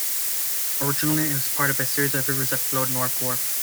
Originally it was a part of a series of rivers that flowed northward.